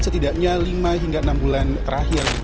setidaknya lima hingga enam bulan terakhir